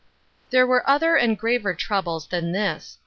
There were other and graver troubles than this.